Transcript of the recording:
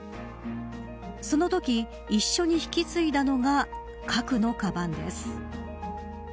そのとき一緒に引き継いだのが核のカバンです。